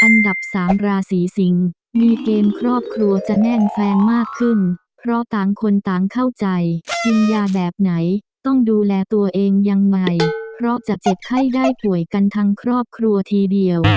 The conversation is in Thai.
อันดับสามราศีสิงศ์มีเกมครอบครัวจะแน่นแฟนมากขึ้นเพราะต่างคนต่างเข้าใจกินยาแบบไหนต้องดูแลตัวเองยังไงเพราะจะเจ็บไข้ได้ป่วยกันทั้งครอบครัวทีเดียว